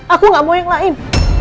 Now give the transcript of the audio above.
aku gak mau yang lain